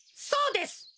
そうです。